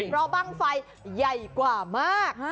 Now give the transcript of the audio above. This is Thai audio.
เพราะบ้างไฟใหญ่กว่ามาก